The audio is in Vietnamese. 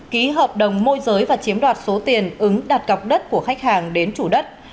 ký hợp đồng môi giới và chiếm đoạt số tiền ứng đặt gọc đất của khách hàng đến chủ đất